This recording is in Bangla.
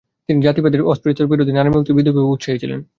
তিনি জাতিভেদ, অস্পৃশ্যতার বিরোধী, নারীমুক্তি ও বিধবাবিবাহে উৎসাহী ছিলেন।